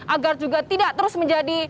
agar juga tidak terus menjadi